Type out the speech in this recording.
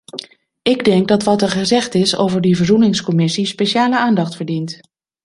Ik denk dat wat er gezegd is over die verzoeningscommissie speciale aandacht verdient.